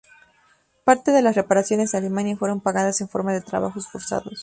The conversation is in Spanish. Parte de las reparaciones de Alemania fueron pagadas en forma de trabajos forzados.